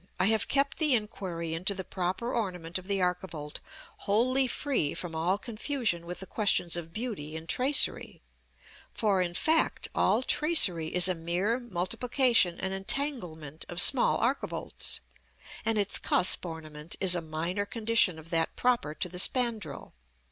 I have kept the inquiry into the proper ornament of the archivolt wholly free from all confusion with the questions of beauty in tracery; for, in fact, all tracery is a mere multiplication and entanglement of small archivolts, and its cusp ornament is a minor condition of that proper to the spandril.